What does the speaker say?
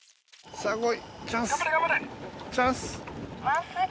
すごい！